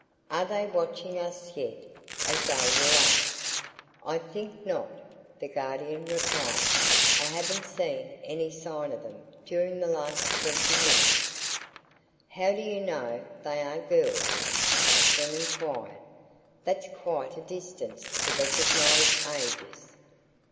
"Are they watching us yet?" Azalia asked. "I think not," the Guardian replied. "I haven't seen any sign of them during the last twenty minutes." "How do you know they are girls?" Katherine inquired. "That's quite a distance to recognize ages."